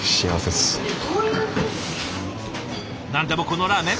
何でもこのラーメン